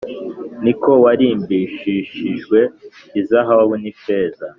ni ko warimbishishijwe izahabu n’ifeza